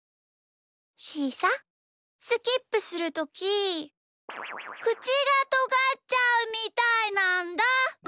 しーさスキップするときくちがとがっちゃうみたいなんだ。